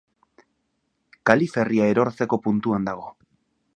Kaliferria erortzeko puntuan dago.